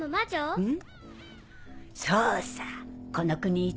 うん。